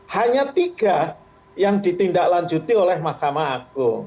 hanya tiga yang ditindaklanjuti oleh mahkamah agung